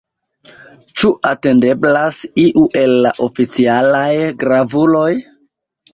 Ĉu atendeblas iu el la oficialaj gravuloj?